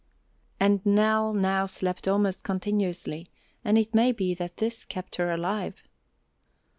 And Nell now slept almost continuously and it may be that this kept her alive.